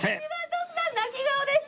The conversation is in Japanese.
徳さん泣き顔です！